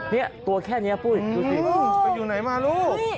นี่ตัวแค่นี้ปุ้ยดูสิมันอยู่ไหนมาลูก